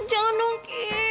eh jangan dong ki